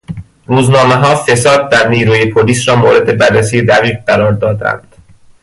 روزنامهها فساد در نیروی پلیس را مورد بررسی دقیق قرار دادند.